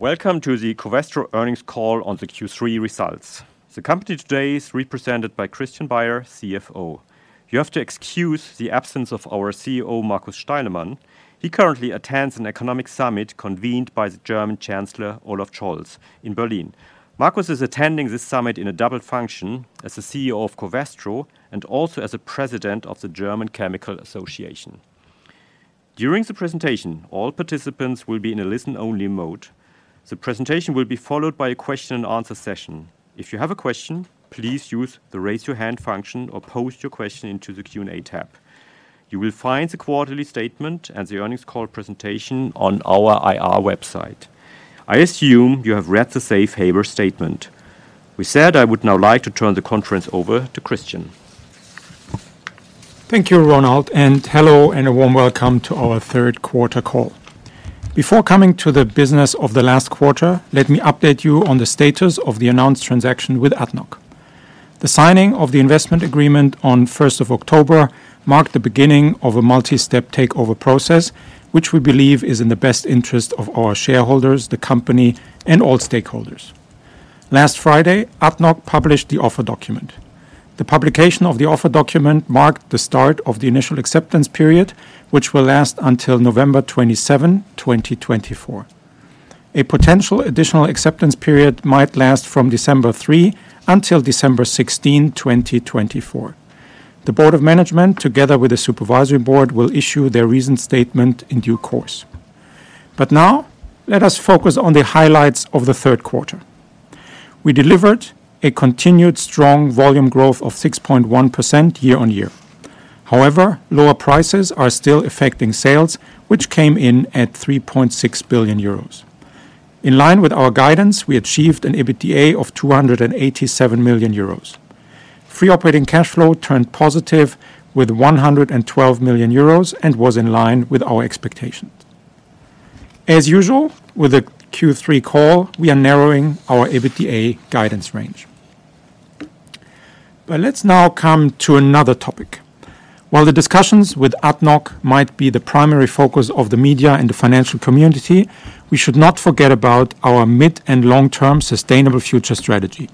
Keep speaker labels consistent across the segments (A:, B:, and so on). A: Welcome to the Covestro Earnings Call on the Q3 results. The company today is represented by Christian Baier, CFO. You have to excuse the absence of our CEO, Markus Steilemann. He currently attends an economic summit convened by the German Chancellor, Olaf Scholz, in Berlin. Markus is attending this summit in a double function: as the CEO of Covestro and also as the President of the German Chemical Association. During the presentation, all participants will be in a listen-only mode. The presentation will be followed by a question-and-answer session. If you have a question, please use the raise-your-hand function or post your question into the Q&A tab. You will find the quarterly statement and the earnings call presentation on our IR website. I assume you have read the safe harbor statement. With that, I would now like to turn the conference over to Christian.
B: Thank you, Ronald, and hello and a warm welcome to our third quarter call. Before coming to the business of the last quarter, let me update you on the status of the announced transaction with ADNOC. The signing of the investment agreement on the 1st of October marked the beginning of a multi-step takeover process, which we believe is in the best interest of our shareholders, the company, and all stakeholders. Last Friday, ADNOC published the offer document. The publication of the offer document marked the start of the initial acceptance period, which will last until November 27, 2024. A potential additional acceptance period might last from December 3 until December 16, 2024. The board of management, together with the supervisory board, will issue their reason statement in due course. But now, let us focus on the highlights of the third quarter. We delivered a continued strong volume growth of 6.1% year-on-year. However, lower prices are still affecting sales, which came in at 3.6 billion euros. In line with our guidance, we achieved an EBITDA of 287 million euros. Free operating cash flow turned positive with 112 million euros and was in line with our expectations. As usual, with the Q3 call, we are narrowing our EBITDA guidance range. But let's now come to another topic. While the discussions with ADNOC might be the primary focus of the media and the financial community, we should not forget about our mid- and long-term sustainable future strategy.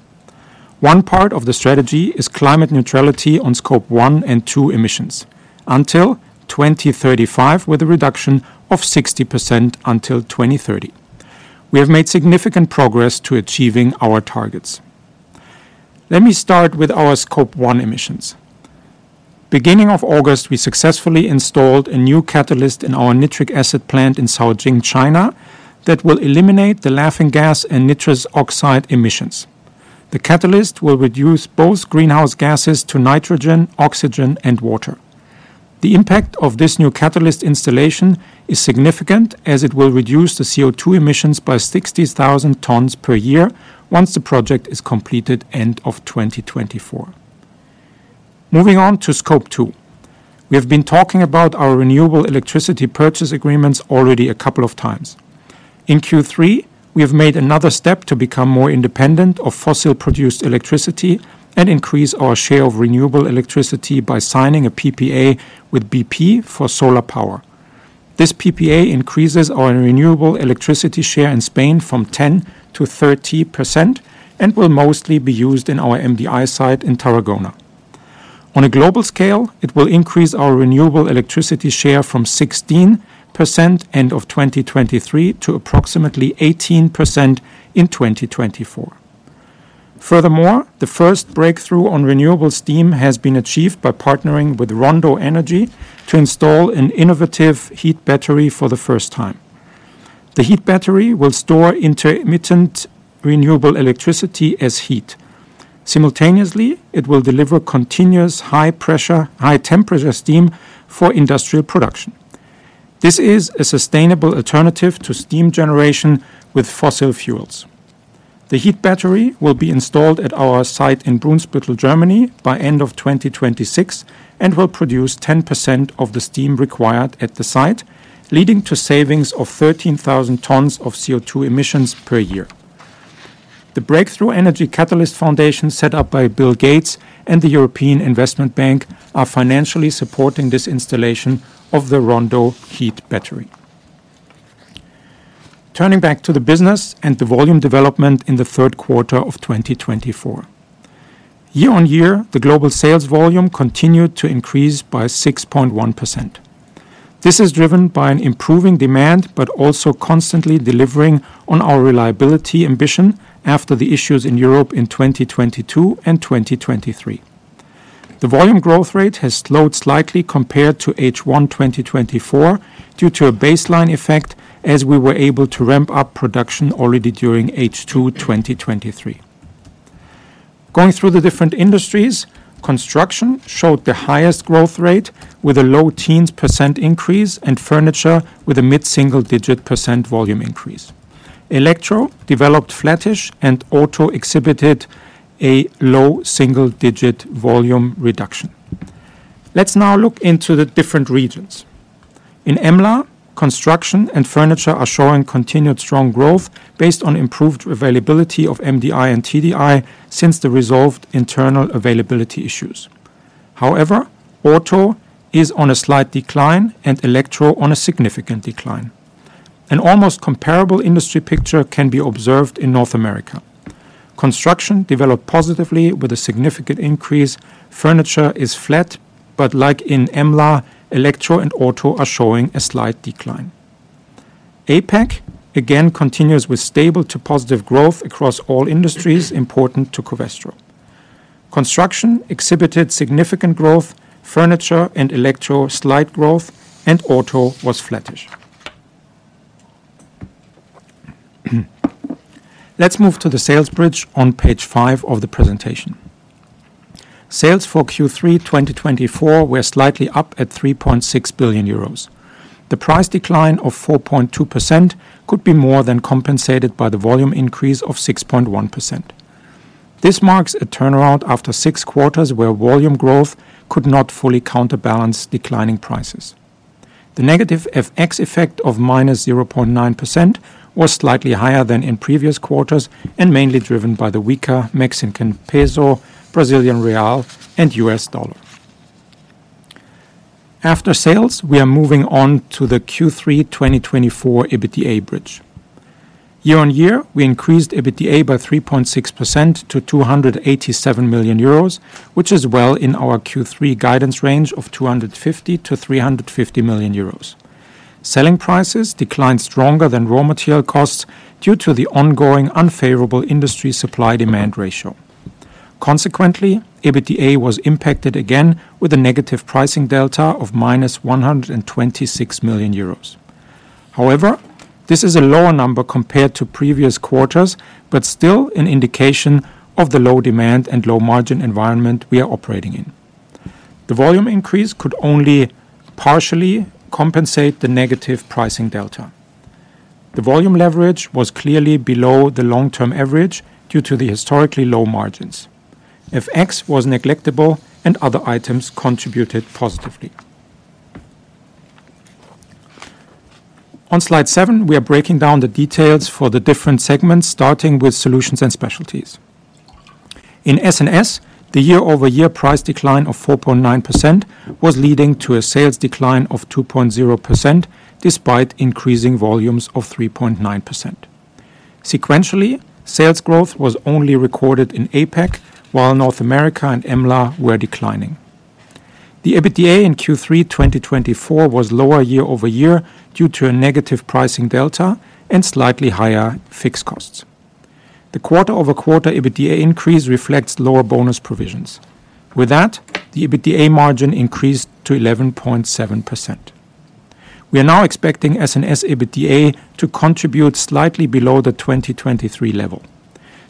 B: One part of the strategy is climate neutrality on Scope 1 and Scope 2 emissions until 2035, with a reduction of 60% until 2030. We have made significant progress to achieving our targets. Let me start with our Scope 1 emissions. Beginning of August, we successfully installed a new catalyst in our nitric acid plant in Caojing, China, that will eliminate the laughing gas and nitrous oxide emissions. The catalyst will reduce both greenhouse gases to nitrogen, oxygen, and water. The impact of this new catalyst installation is significant, as it will reduce the CO2 emissions by 60,000 tons per year once the project is completed at the end of 2024. Moving on to Scope 2, we have been talking about our renewable electricity purchase agreements already a couple of times. In Q3, we have made another step to become more independent of fossil-produced electricity and increase our share of renewable electricity by signing a PPA with BP for solar power. This PPA increases our renewable electricity share in Spain from 10%-30% and will mostly be used in our MDI site in Tarragona. On a global scale, it will increase our renewable electricity share from 16% at the end of 2023 to approximately 18% in 2024. Furthermore, the first breakthrough on renewable steam has been achieved by partnering with Rondo Energy to install an innovative heat battery for the first time. The heat battery will store intermittent renewable electricity as heat. Simultaneously, it will deliver continuous high-pressure, high-temperature steam for industrial production. This is a sustainable alternative to steam generation with fossil fuels. The heat battery will be installed at our site in Brunsbüttel, Germany, by the end of 2026 and will produce 10% of the steam required at the site, leading to savings of 13,000 tons of CO2 emissions per year. The Breakthrough Energy Catalyst Foundation, set up by Bill Gates and the European Investment Bank, are financially supporting this installation of the Rondo heat battery. Turning back to the business and the volume development in the third quarter of 2024, year-on-year, the global sales volume continued to increase by 6.1%. This is driven by an improving demand, but also constantly delivering on our reliability ambition after the issues in Europe in 2022 and 2023. The volume growth rate has slowed slightly compared to H1 2024 due to a baseline effect, as we were able to ramp up production already during H2 2023. Going through the different industries, construction showed the highest growth rate, with a low teens percent increase, and furniture with a mid-single-digit percent volume increase. Electro developed flattish, and auto exhibited a low single-digit volume reduction. Let's now look into the different regions. In EMLA, construction and furniture are showing continued strong growth based on improved availability of MDI and TDI since the resolved internal availability issues. However, auto is on a slight decline, and electro on a significant decline. An almost comparable industry picture can be observed in North America. Construction developed positively with a significant increase. Furniture is flat, but like in EMLA, electro and auto are showing a slight decline. APAC again continues with stable to positive growth across all industries important to Covestro. Construction exhibited significant growth, furniture and electro slight growth, and auto was flattish. Let's move to the sales bridge on page five of the presentation. Sales for Q3 2024 were slightly up at 3.6 billion euros. The price decline of 4.2% could be more than compensated by the volume increase of 6.1%. This marks a turnaround after six quarters where volume growth could not fully counterbalance declining prices. The negative FX effect of minus 0.9% was slightly higher than in previous quarters and mainly driven by the weaker Mexican peso, Brazilian real, and U.S. dollar. After sales, we are moving on to the Q3 2024 EBITDA bridge. Year-on-year, we increased EBITDA by 3.6% to 287 million euros, which is well in our Q3 guidance range of 250 million-350 million euros. Selling prices declined stronger than raw material costs due to the ongoing unfavorable industry supply-demand ratio. Consequently, EBITDA was impacted again with a negative pricing delta of minus 126 million euros. However, this is a lower number compared to previous quarters, but still an indication of the low demand and low margin environment we are operating in. The volume increase could only partially compensate the negative pricing delta. The volume leverage was clearly below the long-term average due to the historically low margins. FX was negligible, and other items contributed positively. On slide seven, we are breaking down the details for the different segments, starting with solutions and specialties. In S&S, the year-over-year price decline of 4.9% was leading to a sales decline of 2.0% despite increasing volumes of 3.9%. Sequentially, sales growth was only recorded in APAC, while North America and EMLA were declining. The EBITDA in Q3 2024 was lower year-over-year due to a negative pricing delta and slightly higher fixed costs. The quarter-over-quarter EBITDA increase reflects lower bonus provisions. With that, the EBITDA margin increased to 11.7%. We are now expecting S&S EBITDA to contribute slightly below the 2023 level.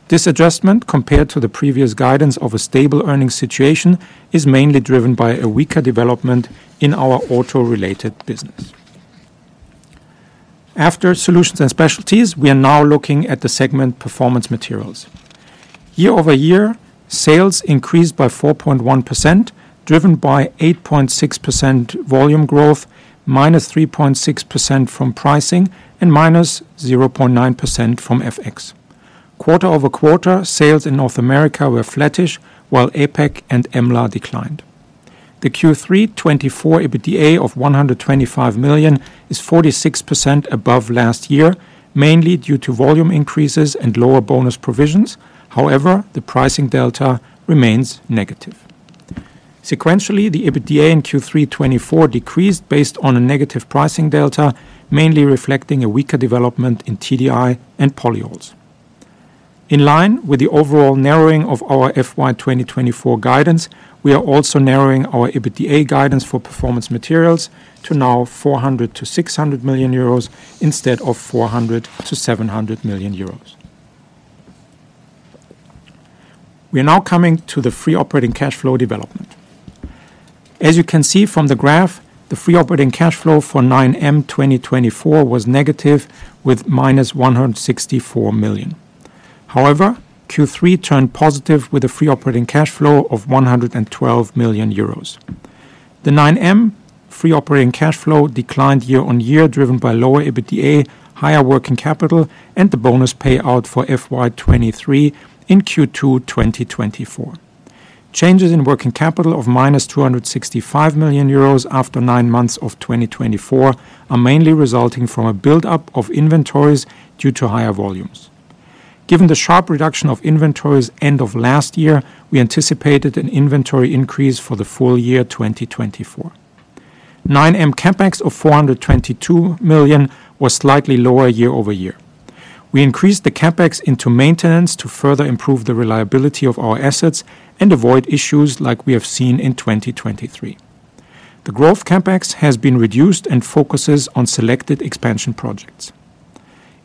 B: This adjustment, compared to the previous guidance of a stable earnings situation, is mainly driven by a weaker development in our auto-related business. After solutions and specialties, we are now looking at the segment performance materials. Year-over-year, sales increased by 4.1%, driven by 8.6% volume growth, minus 3.6% from pricing, and minus 0.9% from FX. Quarter-over-quarter, sales in North America were flattish, while APAC and EMLA declined. The Q3 2024 EBITDA of 125 million is 46% above last year, mainly due to volume increases and lower bonus provisions. However, the pricing delta remains negative. Sequentially, the EBITDA in Q3 2024 decreased based on a negative pricing delta, mainly reflecting a weaker development in TDI and polyols. In line with the overall narrowing of our FY 2024 guidance, we are also narrowing our EBITDA guidance for performance materials to now 400 million-600 million euros instead of 400 million-700 million euros. We are now coming to the free operating cash flow development. As you can see from the graph, the free operating cash flow for 9M 2024 was negative with minus 164 million. However, Q3 turned positive with a free operating cash flow of 112 million euros. The 9M free operating cash flow declined year-on-year, driven by lower EBITDA, higher working capital, and the bonus payout for FY 2023 in Q2 2024. Changes in working capital of minus 265 million euros after nine months of 2024 are mainly resulting from a build-up of inventories due to higher volumes. Given the sharp reduction of inventories end of last year, we anticipated an inventory increase for the full year 2024. 9M CAPEX of 422 million was slightly lower year-over-year. We increased the CAPEX into maintenance to further improve the reliability of our assets and avoid issues like we have seen in 2023. The growth CAPEX has been reduced and focuses on selected expansion projects.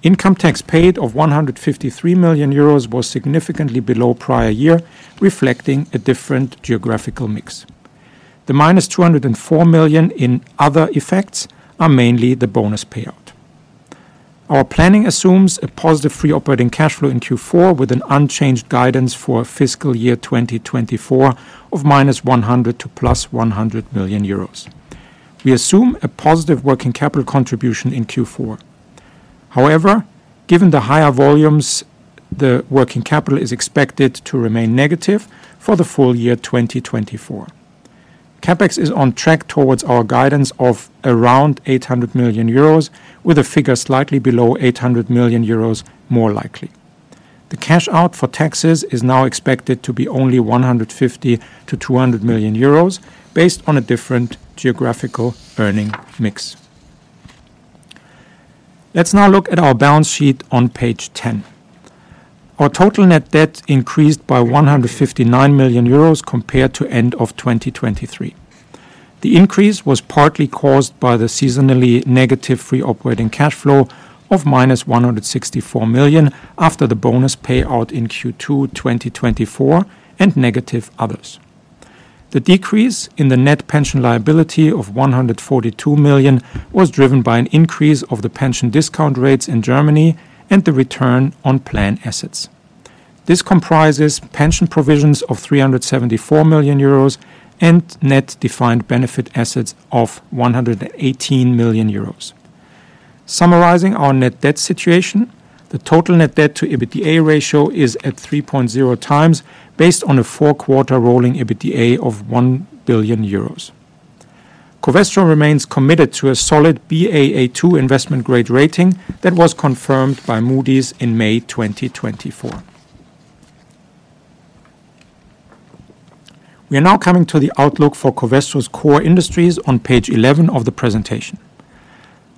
B: Income tax paid of 153 million euros was significantly below prior year, reflecting a different geographical mix. The minus 204 million in other effects are mainly the bonus payout. Our planning assumes a positive free operating cash flow in Q4 with an unchanged guidance for fiscal year 2024 of -100 million-+100 million euros. We assume a positive working capital contribution in Q4. However, given the higher volumes, the working capital is expected to remain negative for the full year 2024. CapEx is on track towards our guidance of around 800 million euros, with a figure slightly below 800 million euros more likely. The cash out for taxes is now expected to be only 150 million-200 million euros based on a different geographical earning mix. Let's now look at our balance sheet on page 10. Our total net debt increased by 159 million euros compared to end of 2023. The increase was partly caused by the seasonally negative free operating cash flow of -164 million after the bonus payout in Q2 2024 and negative others. The decrease in the net pension liability of 142 million was driven by an increase of the pension discount rates in Germany and the return on plan assets. This comprises pension provisions of 374 million euros and net defined benefit assets of 118 million euros. Summarizing our net debt situation, the total net debt to EBITDA ratio is at 3.0 times based on a four-quarter rolling EBITDA of 1 billion euros. Covestro remains committed to a solid Baa2 investment grade rating that was confirmed by Moody's in May 2024. We are now coming to the outlook for Covestro's core industries on page 11 of the presentation.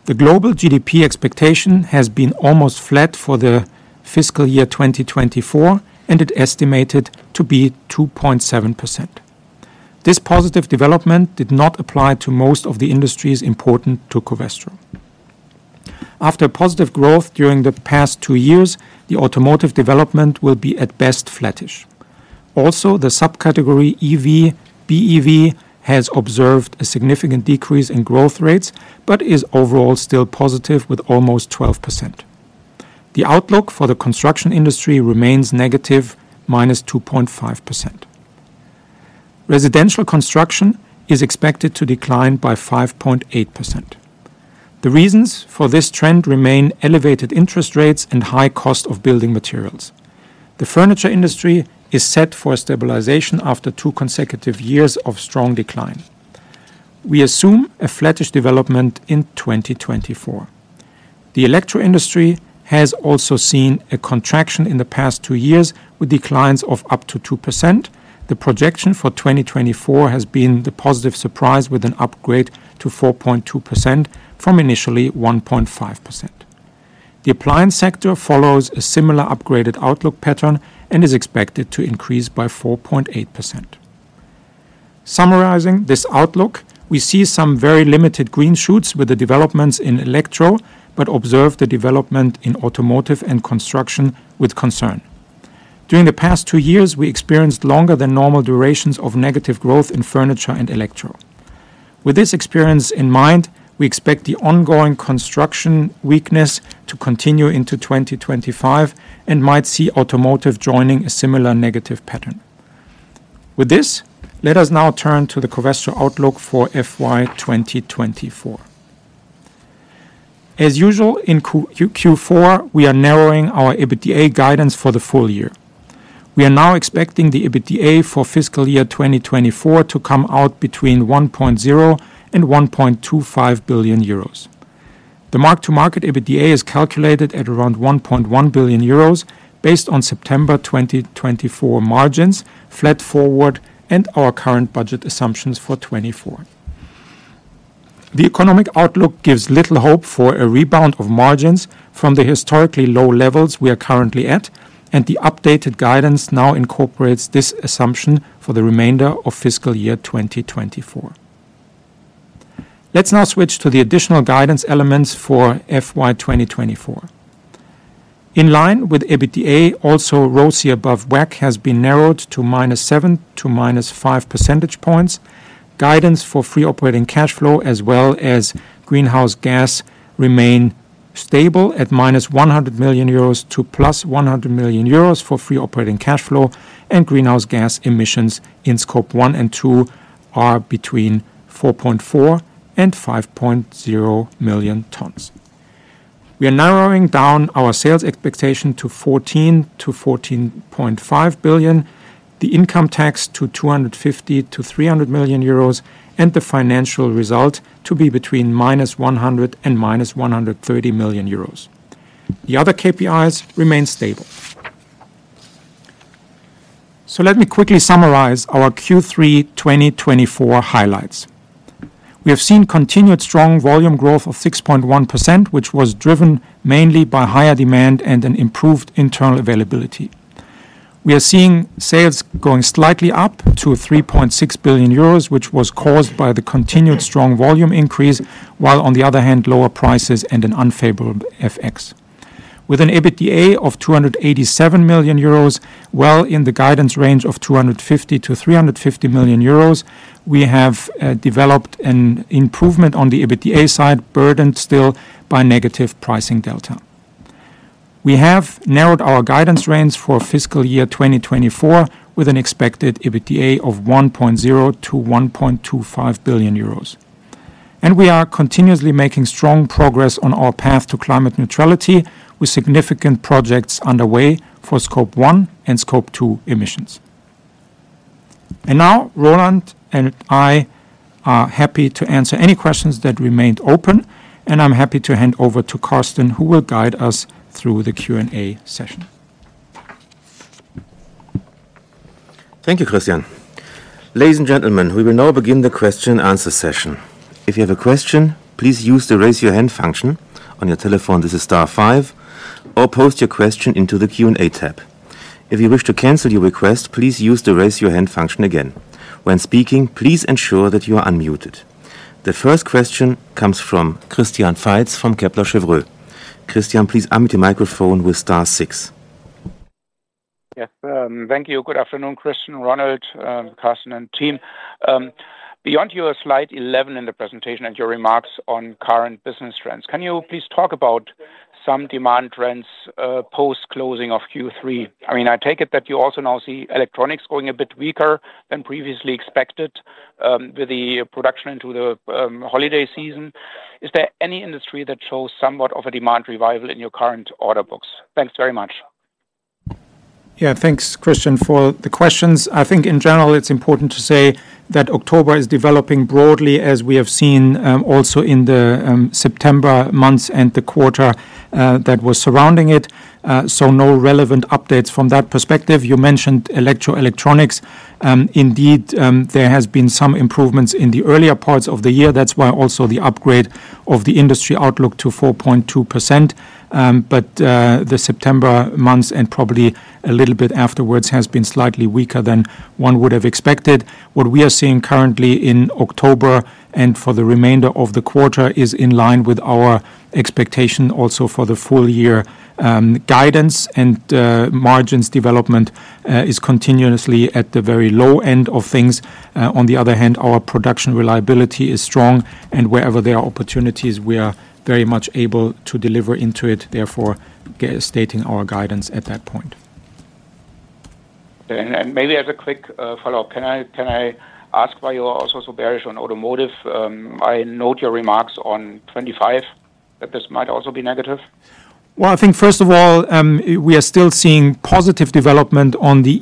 B: The global GDP expectation has been almost flat for the fiscal year 2024, and it's estimated to be 2.7%. This positive development did not apply to most of the industries important to Covestro. After positive growth during the past two years, the automotive development will be at best flattish. Also, the subcategory EV BEV has observed a significant decrease in growth rates, but is overall still positive with almost 12%. The outlook for the construction industry remains negative -2.5%. Residential construction is expected to decline by 5.8%. The reasons for this trend remain elevated interest rates and high cost of building materials. The furniture industry is set for stabilization after two consecutive years of strong decline. We assume a flattish development in 2024. The electro industry has also seen a contraction in the past two years with declines of up to 2%. The projection for 2024 has been the positive surprise with an upgrade to 4.2% from initially 1.5%. The appliance sector follows a similar upgraded outlook pattern and is expected to increase by 4.8%. Summarizing this outlook, we see some very limited green shoots with the developments in electro, but observe the development in automotive and construction with concern. During the past two years, we experienced longer than normal durations of negative growth in furniture and electro. With this experience in mind, we expect the ongoing construction weakness to continue into 2025 and might see automotive joining a similar negative pattern. With this, let us now turn to the Covestro outlook for FY 2024. As usual, in Q4, we are narrowing our EBITDA guidance for the full year. We are now expecting the EBITDA for fiscal year 2024 to come out between 1.0 billion and 1.25 billion euros. The mark-to-market EBITDA is calculated at around 1.1 billion euros based on September 2024 margins, flat forward, and our current budget assumptions for 2024. The economic outlook gives little hope for a rebound of margins from the historically low levels we are currently at, and the updated guidance now incorporates this assumption for the remainder of fiscal year 2024. Let's now switch to the additional guidance elements for FY 2024. In line with EBITDA, also ROCE above WACC has been narrowed to minus seven to minus five percentage points. Guidance for free operating cash flow, as well as greenhouse gas, remain stable at -100 million euros to +100 million euros for free operating cash flow, and greenhouse gas emissions in Scope 1 and 2 are between 4.4 million and 5.0 million tons. We are narrowing down our sales expectation to 14 billion-14.5 billion, the income tax to 250 million-300 million euros, and the financial result to be between -100 million and -130 million euros. The other KPIs remain stable. So let me quickly summarize our Q3 2024 highlights. We have seen continued strong volume growth of 6.1%, which was driven mainly by higher demand and an improved internal availability. We are seeing sales going slightly up to 3.6 billion euros, which was caused by the continued strong volume increase, while on the other hand, lower prices and an unfavorable FX. With an EBITDA of 287 million euros, well in the guidance range of 250 million-350 million euros, we have developed an improvement on the EBITDA side, burdened still by negative pricing delta. We have narrowed our guidance range for fiscal year 2024 with an expected EBITDA of 1.0 billion-1.25 billion euros, and we are continuously making strong progress on our path to climate neutrality with significant projects underway for Scope 1 and Scope 2 emissions, and now, Ronald and I are happy to answer any questions that remained open, and I'm happy to hand over to Carsten, who will guide us through the Q&A session.
A: Thank you, Christian. Ladies and gentlemen, we will now begin the question-and-answer session. If you have a question, please use the raise-your-hand function on your telephone. This is star five, or post your question into the Q&A tab. If you wish to cancel your request, please use the raise-your-hand function again. When speaking, please ensure that you are unmuted. The first question comes from Christian Faitz from Kepler Cheuvreux. Christian, please unmute your microphone with star six.
C: Yes, thank you. Good afternoon, Christian, Ronald, Carsten, and team. Beyond your slide 11 in the presentation and your remarks on current business trends, can you please talk about some demand trends post-closing of Q3? I mean, I take it that you also now see electronics going a bit weaker than previously expected with the production into the holiday season. Is there any industry that shows somewhat of a demand revival in your current order books? Thanks very much.
B: Yeah, thanks, Christian, for the questions. I think in general, it's important to say that October is developing broadly, as we have seen also in the September months and the quarter that was surrounding it. So no relevant updates from that perspective. You mentioned electro-electronics. Indeed, there has been some improvements in the earlier parts of the year. That's why also the upgrade of the industry outlook to 4.2%. But the September months and probably a little bit afterwards has been slightly weaker than one would have expected. What we are seeing currently in October and for the remainder of the quarter is in line with our expectation, also for the full year guidance, and margins development is continuously at the very low end of things. On the other hand, our production reliability is strong, and wherever there are opportunities, we are very much able to deliver into it, therefore stating our guidance at that point.
C: And maybe as a quick follow-up, can I ask why you are also so bearish on automotive? I note your remarks on 25 that this might also be negative.
B: I think first of all, we are still seeing positive development on the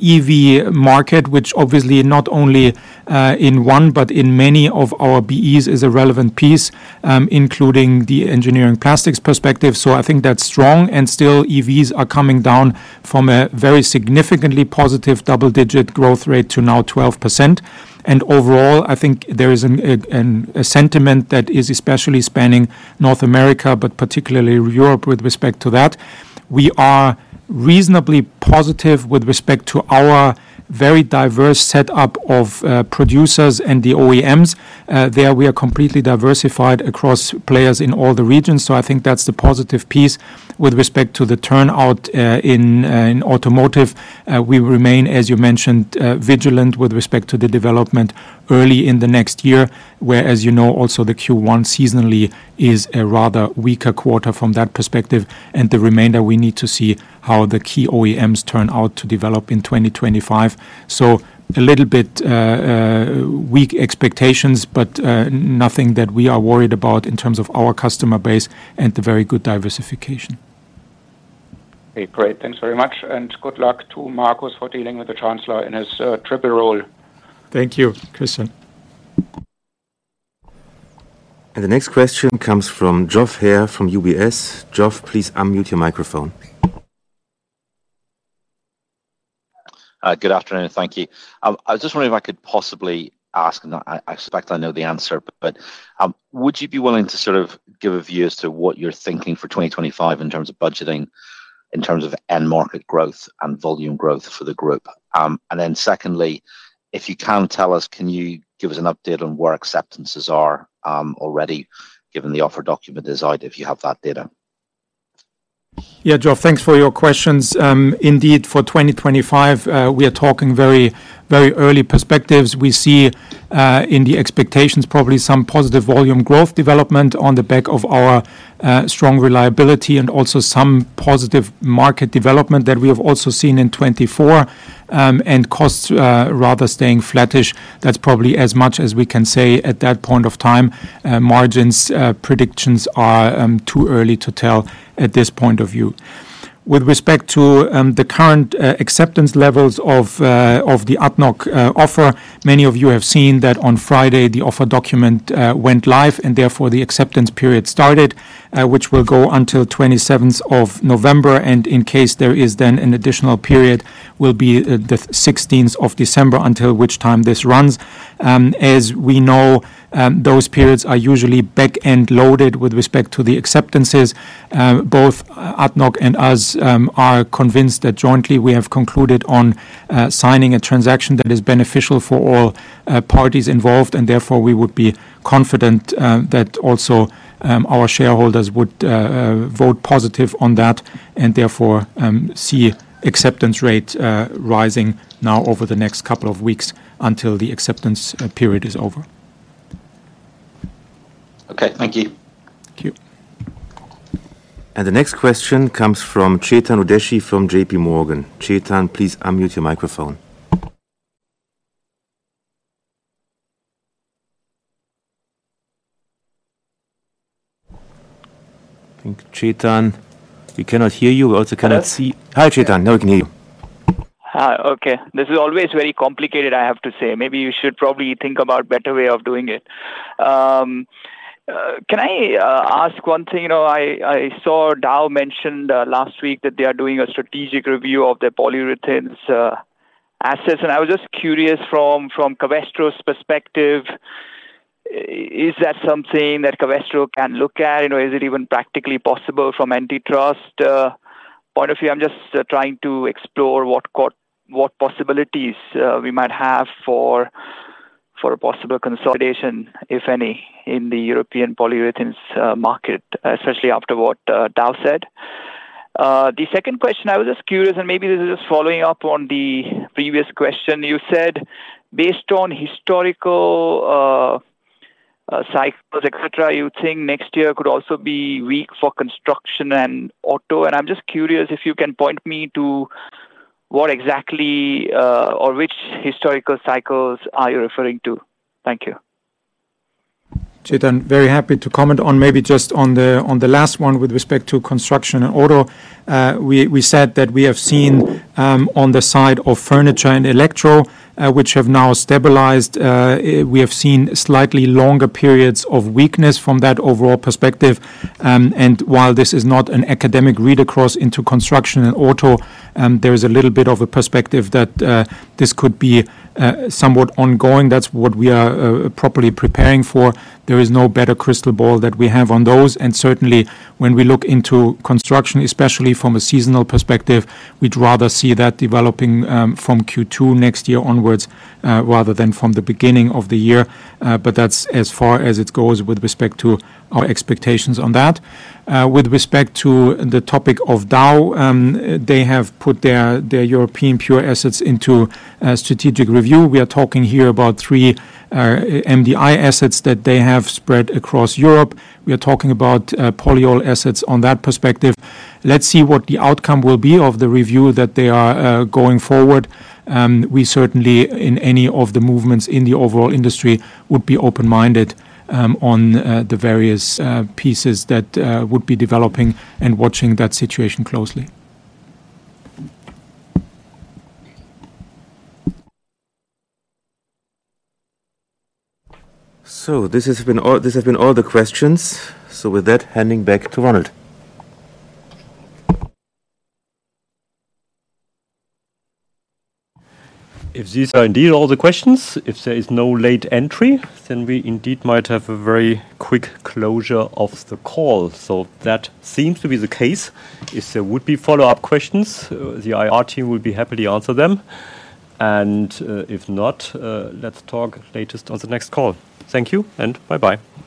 B: EV market, which obviously not only in one, but in many of our BEVs is a relevant piece, including the engineering plastics perspective. I think that's strong. Still, EVs are coming down from a very significantly positive double-digit growth rate to now 12%. Overall, I think there is a sentiment that is especially spanning North America, but particularly Europe with respect to that. We are reasonably positive with respect to our very diverse setup of producers and the OEMs. There we are completely diversified across players in all the regions. I think that's the positive piece. With respect to the turnout in automotive, we remain, as you mentioned, vigilant with respect to the development early in the next year, where, as you know, also the Q1 seasonally is a rather weaker quarter from that perspective. And the remainder, we need to see how the key OEMs turn out to develop in 2025. So a little bit weak expectations, but nothing that we are worried about in terms of our customer base and the very good diversification.
C: Okay, great. Thanks very much. And good luck to Markus for dealing with the Chancellor in his triple role.
B: Thank you, Christian.
A: And the next question comes from Geoff Haire from UBS. Geoff, please unmute your microphone.
D: Good afternoon. Thank you. I was just wondering if I could possibly ask, and I expect I know the answer, but would you be willing to sort of give a view as to what you're thinking for 2025 in terms of budgeting, in terms of end market growth and volume growth for the group? And then secondly, if you can tell us, can you give us an update on where acceptances are already, given the offer document is out, if you have that data?
B: Yeah, Geoff, thanks for your questions. Indeed, for 2025, we are talking very early perspectives. We see in the expectations probably some positive volume growth development on the back of our strong reliability and also some positive market development that we have also seen in 2024 and costs rather staying flattish. That's probably as much as we can say at that point of time. Margins predictions are too early to tell at this point of view. With respect to the current acceptance levels of the ADNOC offer, many of you have seen that on Friday the offer document went live and therefore the acceptance period started, which will go until 27th of November. And in case there is then an additional period, will be the 16th of December until which time this runs. As we know, those periods are usually back-end loaded with respect to the acceptances. Both ADNOC and us are convinced that jointly we have concluded on signing a transaction that is beneficial for all parties involved, and therefore we would be confident that also our shareholders would vote positive on that and therefore see acceptance rate rising now over the next couple of weeks until the acceptance period is over.
D: Okay, thank you.
B: Thank you.
A: The next question comes from Chetan Udeshi from J.P. Morgan. Chetan, please unmute your microphone. I think Chetan, we cannot hear you. We also cannot see. Hi, Chetan. Now we can hear you.
E: Hi. Okay. This is always very complicated, I have to say. Maybe you should probably think about a better way of doing it. Can I ask one thing? I saw Dow mentioned last week that they are doing a strategic review of their polyurethane assets. And I was just curious from Covestro's perspective, is that something that Covestro can look at? Is it even practically possible from an antitrust point of view? I'm just trying to explore what possibilities we might have for a possible consolidation, if any, in the European polyurethane market, especially after what Dow said. The second question, I was just curious, and maybe this is just following up on the previous question. You said based on historical cycles, etc., you think next year could also be weak for construction and auto. And I'm just curious if you can point me to what exactly or which historical cycles are you referring to. Thank you.
B: Chetan, very happy to comment on maybe just on the last one with respect to construction and auto. We said that we have seen on the side of furniture and electro, which have now stabilized. We have seen slightly longer periods of weakness from that overall perspective. And while this is not an academic read across into construction and auto, there is a little bit of a perspective that this could be somewhat ongoing. That's what we are properly preparing for. There is no better crystal ball that we have on those. And certainly, when we look into construction, especially from a seasonal perspective, we'd rather see that developing from Q2 next year onwards rather than from the beginning of the year. But that's as far as it goes with respect to our expectations on that. With respect to the topic of Dow, they have put their European PU assets into strategic review. We are talking here about three MDI assets that they have spread across Europe. We are talking about polyol assets on that perspective. Let's see what the outcome will be of the review that they are going forward. We certainly, in any of the movements in the overall industry, would be open-minded on the various pieces that would be developing and watching that situation closely.
F: So this has been all the questions. So with that, handing back to Ronald.
A: If these are indeed all the questions, if there is no late entry, then we indeed might have a very quick closure of the call, so that seems to be the case. If there would be follow-up questions, the IR team will be happy to answer them, and if not, let's talk at least on the next call. Thank you and bye-bye.